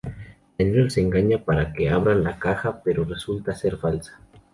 Daniel los engaña para que abran la caja, pero resulta ser falsa.